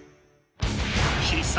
必殺！